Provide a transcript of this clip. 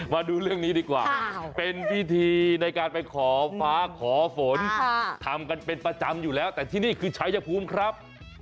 มาดูเรื่องนี้ดีกว่าเป็นพิธีในการไปขอฟ้าขอฝนทำกันเป็นประจำอยู่แล้วแต่ที่นี่คือชายภูมิครับ